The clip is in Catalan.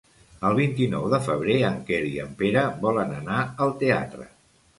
El vint-i-nou de febrer en Quer i en Pere volen anar al teatre.